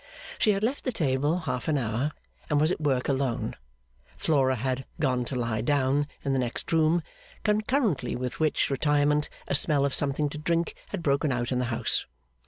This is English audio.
She had left the table half an hour, and was at work alone. Flora had 'gone to lie down' in the next room, concurrently with which retirement a smell of something to drink had broken out in the house.